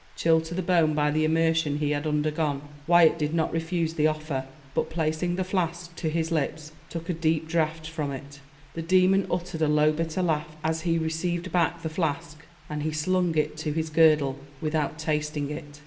Chilled to the bone by the immersion he had undergone, Wyat did not refuse the offer, but placing the flask to his lips took a deep draught from it. The demon uttered a low bitter laugh as he received back the flask, and he slung it to his girdle without tasting it.